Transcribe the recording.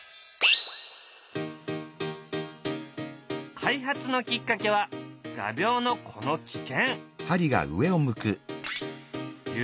開発のきっかけは画びょうのこの危険。